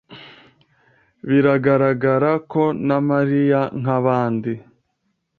Biragaragara ko na Mariya nkabandi.